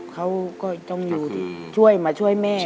เขาก็ต้องอยู่ที่ช่วยมาช่วยแม่